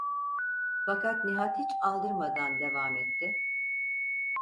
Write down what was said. Fakat Nihat hiç aldırmadan devam etti: